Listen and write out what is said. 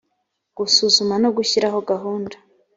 gusuzuma no gushyiraho gahunda